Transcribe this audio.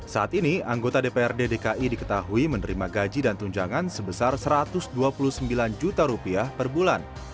saat ini anggota dprd dki diketahui menerima gaji dan tunjangan sebesar rp satu ratus dua puluh sembilan juta rupiah per bulan